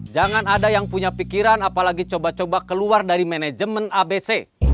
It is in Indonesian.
jangan ada yang punya pikiran apalagi coba coba keluar dari manajemen abc